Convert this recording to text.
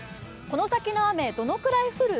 この先の雨、どのぐらい降る？